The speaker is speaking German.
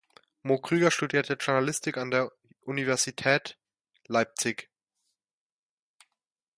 Mo Krüger studierte Journalistik an der Universität Leipzig.